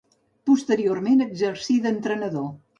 Posteriorment exercí d'entrenador.